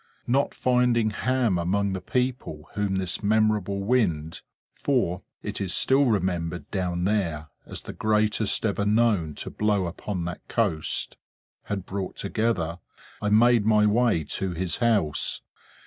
Not finding Ham among the people whom this memorable wind—for it is still remembered down there as the greatest ever known to blow upon that coast—had brought together, I made my way to his house.